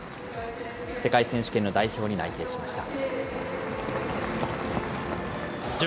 世界選手権の代表に内定しました。